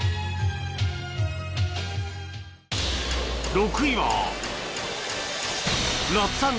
６位は